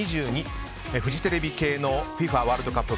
フジテレビ系のＦＩＦＡワールドカップ